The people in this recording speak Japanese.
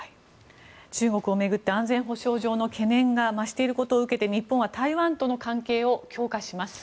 中国を巡って安全保障上の懸念が増していることを受けて日本は台湾との関係を強化します。